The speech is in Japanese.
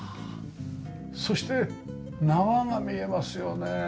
そして縄が見えますよね。